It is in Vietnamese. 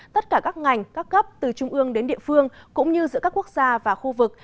tất cả các ngành các cấp từ trung ương đến địa phương cũng như giữa các quốc gia và khu vực